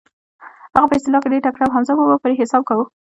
هغه په اصلاح کې ډېر تکړه و، حمزه بابا پرې حساب کاوه.